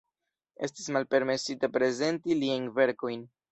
Estis malpermesite prezenti liajn verkojn.